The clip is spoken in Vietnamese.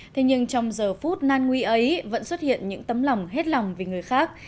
thế nhưng trong giờ phút nan nguy ấy vẫn xuất hiện những tấm lòng hết lòng vì người khác